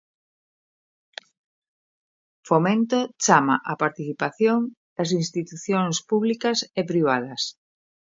Fomento chama á participación das institucións públicas e privadas.